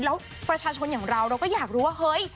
แล้วประชาชนอย่างเราเราก็อยากรู้ว่าเฮ้ย